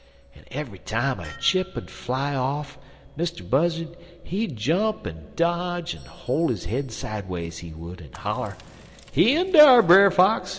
"En eve'y time a chip ud fly off, Mr. Buzzard, he'd jump, en dodge, en hol' his head sideways, he would, en holler: "'He in dar, Brer Fox.